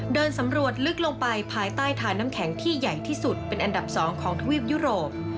เดินสำรวจลึกลงไปภายใต้ฐานน้ำแข็งที่ใหญ่ที่สุดเป็นอันดับ๒ของทวีปยุโรป